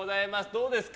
どうですか？